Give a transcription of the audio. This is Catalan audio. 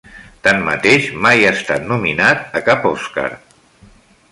Tanmateix, mai ha estat nominat a cap Oscar.